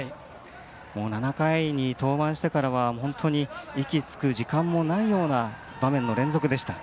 ７回に登板してからは息つく間もないような場面の連続でした。